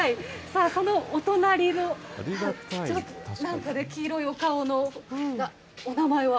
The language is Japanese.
さあ、そのお隣も、なんかね、黄色いお顔の、お名前は？